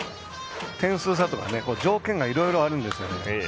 点数差とか条件がいろいろあるんですよね。